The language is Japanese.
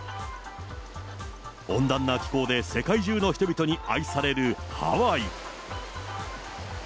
温暖な気候で世界中の人々に愛されるハワイ。